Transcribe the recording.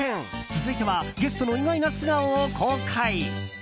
続いてはゲストの意外な素顔を公開。